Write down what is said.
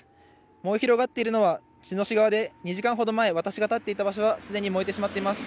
燃え広がっているのは、茅野市側で２時間ほど前、私が立っていた場所は、すでに燃えてしまっています。